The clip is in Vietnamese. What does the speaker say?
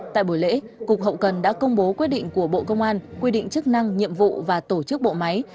tại buổi lễ cục hậu cần đã công bố quyết định của bộ công an quy định chức năng nhiệm vụ và tổ chức bộ máy